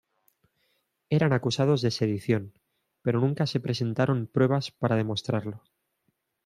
Eran acusados de sedición, pero nunca se presentaron pruebas para demostrarlo.